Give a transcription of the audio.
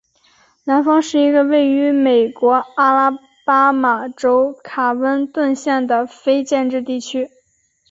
南方是一个位于美国阿拉巴马州卡温顿县的非建制地区。